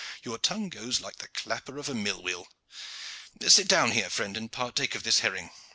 "Your tongue goes like the clapper of a mill wheel. Sit down here, friend, and partake of this herring.